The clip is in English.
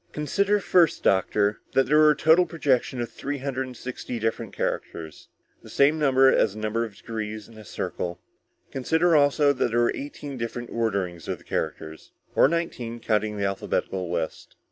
"Consider first, doctor, that there was a total projection of three hundred and sixty different characters. The same number as the number of degrees in a circle. Consider also that there were eighteen different orderings of the characters, or nineteen counting the alphabetical list.